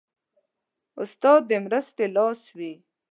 استاد د مرستې لاس وي.